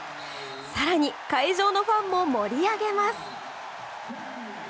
更に会場のファンも盛り上げます。